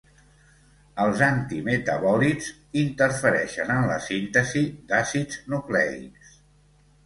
Els antimetabòlits interfereixen en la síntesi d'àcids nucleics.